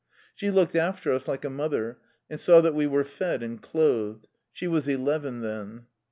She looked after us like a mother, and saw that we were fed and clothed. She was eleven then.